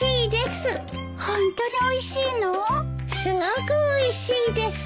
すごくおいしいです。